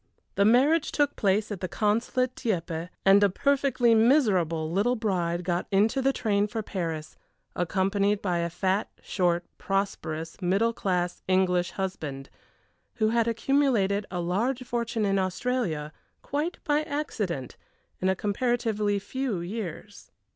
The marriage took place at the Consulate at Dieppe, and a perfectly miserable little bride got into the train for Paris, accompanied by a fat, short, prosperous, middle class English husband, who had accumulated a large fortune in Australia, quite by accident, in a comparatively few years.